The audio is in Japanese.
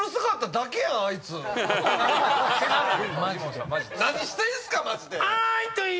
何してんすか⁉マジで！